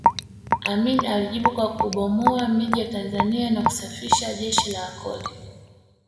Amin alijibu kwa kubomoa miji ya Tanzania na kusafisha jeshi la Akoli